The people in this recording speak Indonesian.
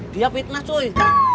dia fitnah coy